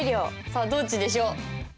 さあどっちでしょう。